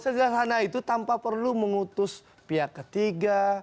setelah sana itu tanpa perlu mengutus pihak ketiga